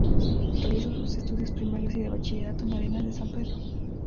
Realizó sus estudios primarios y de bachillerato en Arenas de San Pedro.